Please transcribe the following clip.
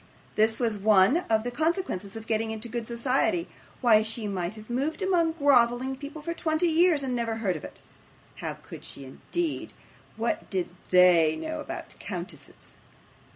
This was one of the consequences of getting into good society. Why, she might have moved among grovelling people for twenty years, and never heard of it. How could she, indeed? what did THEY know about countesses?